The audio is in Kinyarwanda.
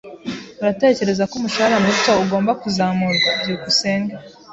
Uratekereza ko umushahara muto ugomba kuzamurwa? byukusenge